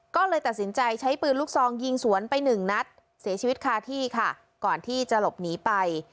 ก็เลยตัดสินใจใช้ปืนลูกซองยิงสวนไปหนึ่งนัดเสียชีวิตคาที่ค่ะก่อนที่จะหลบหนีไป